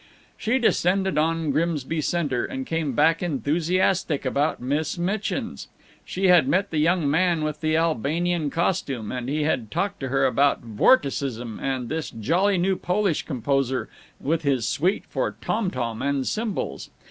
She descended on Grimsby Center, and came back enthusiastic about Miss Mitchin's. She had met the young man with the Albanian costume, and he had talked to her about vorticism and this jolly new Polish composer with his suite for tom tom and cymbals.